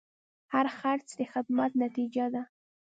هر خرڅ د زحمت نتیجه ده.